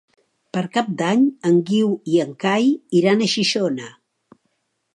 Per Cap d'Any en Guiu i en Cai iran a Xixona.